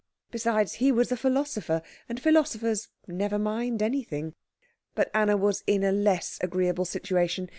Besides, he was a philosopher, and philosophers never mind anything. But Anna was in a less agreeable situation.